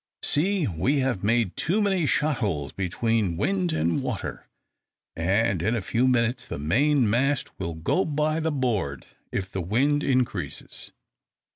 "See, we have made too many shot holes between `wind and water,' and in a few minutes the main mast will go by the board, if the wind increases."